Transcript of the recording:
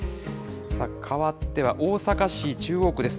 かわっては大阪市中央区です。